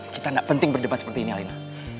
kita gak penting berdebat seperti ini elina